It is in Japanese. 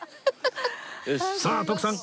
さあ徳さん